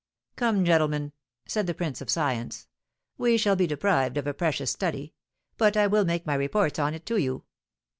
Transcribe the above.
"Come, gentlemen," said the prince of science, "we shall be deprived of a precious study; but I will make my reports on it to you."